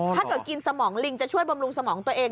ถ้าเกิดกินสมองลิงจะช่วยบำรุงสมองตัวเอง